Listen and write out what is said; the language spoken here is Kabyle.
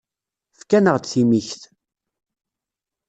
Efk-aneɣ-d timikt.